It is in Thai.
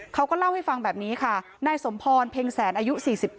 เขาก็เล่าให้ฟังแบบนี้ค่ะนายสมพรเพ็งแสนอายุ๔๘